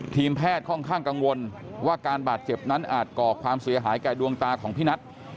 ทีมแพทย์ค่อนข้างกังวลว่าการบาดเจ็บนั้นอาจก่อความเสียหายแก่ดวงตาของพี่นัท